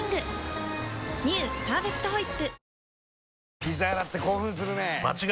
「パーフェクトホイップ」